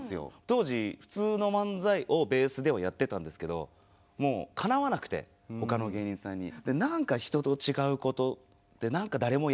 当時普通の漫才をベースではやってたんですけどもうかなわなくて他の芸人さんに。